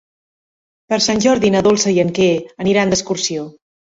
Per Sant Jordi na Dolça i en Quer aniran d'excursió.